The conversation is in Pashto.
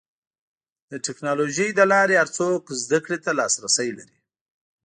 د ټکنالوجۍ له لارې هر څوک زدهکړې ته لاسرسی لري.